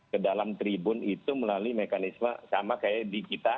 ke dalam tribun itu melalui mekanisme sama kayak di kita